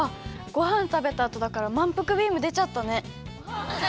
ごはんたべたあとだからまんぷくビームでちゃったね。